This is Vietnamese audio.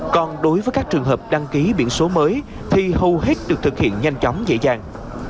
còn đối với các trường hợp đăng ký biển số mới thì hầu hết được thực hiện nhanh chóng dễ dàng